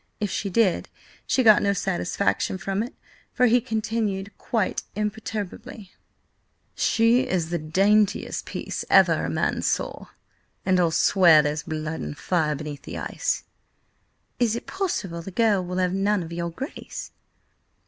If she did, she got no satisfaction from it, for he continued, quite imperturbably: "She is the daintiest piece ever a man saw, and I'll swear there's blood and fire beneath the ice!" "Is it possible the girl will have none of your Grace?"